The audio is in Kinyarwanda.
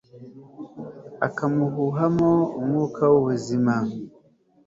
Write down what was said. akamuhuhamo umwuka w'ubuzima